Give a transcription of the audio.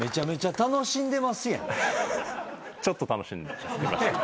ちょっと楽しみました。